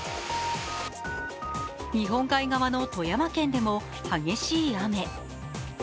日本海側の富山県でも激しい雨。